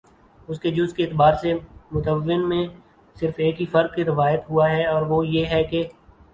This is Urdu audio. اس جز کے اعتبار سے متون میں صرف ایک ہی فرق روایت ہوا ہے اور وہ یہ ہے کہ